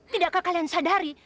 tidakkah kalian sadari